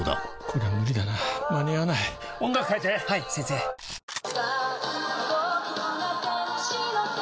これは無理だな間に合わない音楽変えて！はいっ！